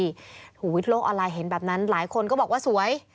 โอ้โหโลกออนไลน์เห็นแบบนั้นหลายคนก็บอกว่าสวย